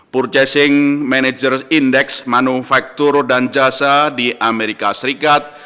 purchasing manager index manufaktur dan jasa di amerika serikat